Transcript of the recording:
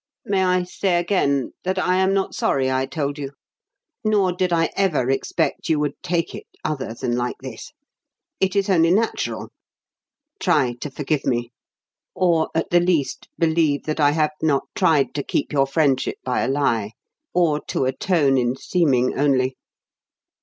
"May I say again, that I am not sorry I told you? Nor did I ever expect you would, take it other than like this. It is only natural. Try to forgive me; or, at the least, believe that I have not tried to keep your friendship by a lie, or to atone in seeming only.